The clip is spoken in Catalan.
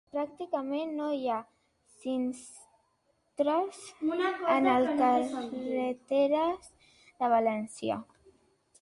Pràcticament no hi ha sinistres a les carreteres de València